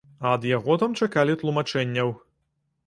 А ад яго там чакалі тлумачэнняў.